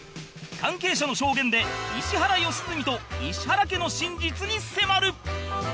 関係者の証言で石原良純と石原家の真実に迫る